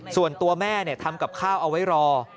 ส่วนตัวแม่ทำกับข้าวเอาไว้รอ